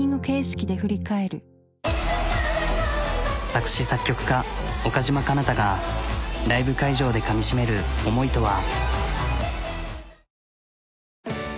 作詞作曲家岡嶋かな多がライブ会場でかみしめる思いとは。